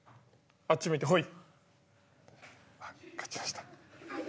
あっち向いてホイ。